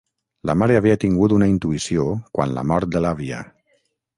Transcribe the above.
La mare havia tingut una intuïció quan la mort de l'àvia.